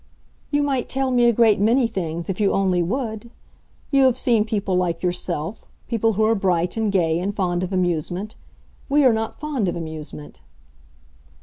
"You might tell me a great many things, if you only would. You have seen people like yourself—people who are bright and gay and fond of amusement. We are not fond of amusement."